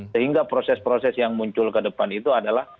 sehingga proses proses yang muncul ke depan itu adalah